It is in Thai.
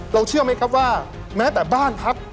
เชื่อไหมครับว่าแม้แต่บ้านพัก